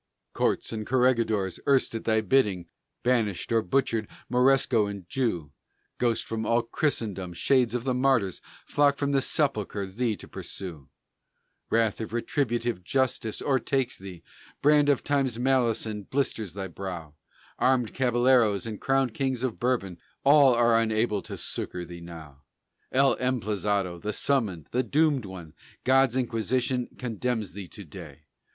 Courts and corregidors erst at thy bidding Banished or butchered Moresco and Jew; Ghosts from all Christendom, shades of the Martyrs Flock from the sepulchre thee to pursue. Wrath of retributive Justice o'ertakes thee! Brand of time's malison blisters thy brow: Armed cabelleros and crowned kings of Bourbon, All are unable to succor thee now. El Emplazado, the Summoned, the Doomed One! God's Inquisition condemns thee to day!